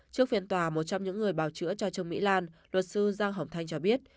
trước phiên tòa một trong những người bảo chữa cho trương mỹ lan luật sư giang hồng thanh cho biết